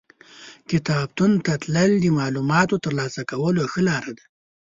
کتابتون ته تلل د معلوماتو ترلاسه کولو ښه لار ده.